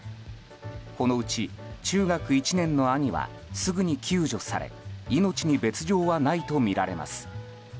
このうち中学１年の兄はすぐに救助され命に別条はないとみられます。